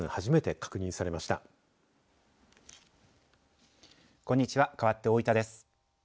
かわって大分です。